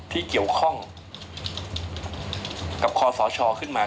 ที่เกี่ยวข้องกับคอสชขึ้นมา